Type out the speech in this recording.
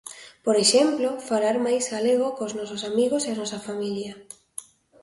Por exemplo, falar máis galego cos nosos amigos e a nosa familia.